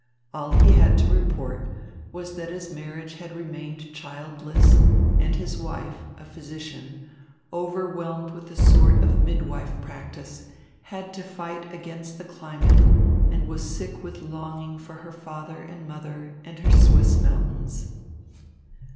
All he had to report was that his marriage had remained childless and his wife, a physician, overwhelmed with a sort of midwife practice, had to fight against the climate and was sick with longing for her father and mother and her Swiss mountains.